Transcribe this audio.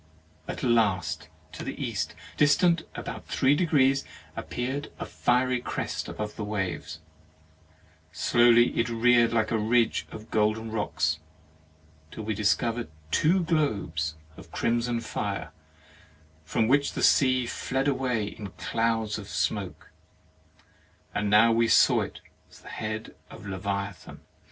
At last to the East, distant about three degrees, appeared a fiery crest above the waves ; 33 THE MARRIAGE OF slowly it reared like a ridge of golden rocks, till we discovered two globes of crimson fire, from which the sea fled away in clouds of smoke; and now we saw it was the head of Le viathan.